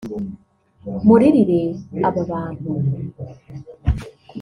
muririre aba bantu